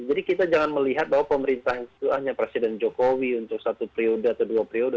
jadi kita jangan melihat bahwa pemerintah itu hanya presiden jokowi untuk satu periode atau dua periode